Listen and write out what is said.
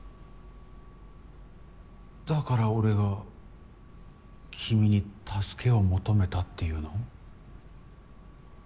だから俺が君に助けを求めたっていうの？